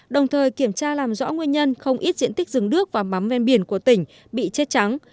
đồng thời kiểm tra làm rõ nguyên nhân không ít diện tích rừng nước và mắm ven biển của tỉnh bị chết trắng